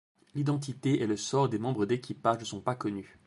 L’identité et le sort des membres d'équipage ne sont pas connus.